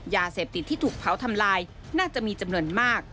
ยาเสพติดที่ถูกเผาทำลายน่าจะมีจำนวนมาก